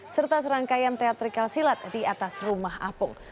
serta serangkaian teatrikal silat di atas rumah apung